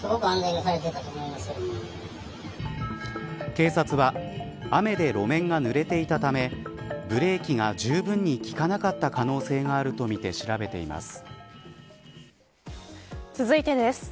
警察は雨で路面がぬれていたためブレーキがじゅうぶんに利かなかった可能性があるとみて続いてです。